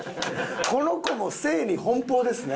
この子も性に奔放ですね。